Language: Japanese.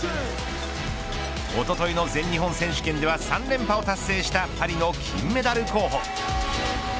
おとといの全日本選手権では３連覇を達成したパリの金メダル候補。